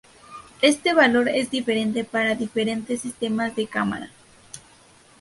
Este valor es diferente para diferentes sistemas de cámara.